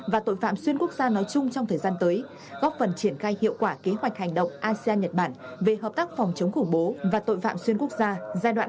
và tội phạm xuyên quốc gia nói chung trong thời gian tới góp phần triển khai hiệu quả kế hoạch hành động asean nhật bản về hợp tác phòng chống khủng bố và tội phạm xuyên quốc gia giai đoạn hai nghìn một mươi hai hai nghìn hai mươi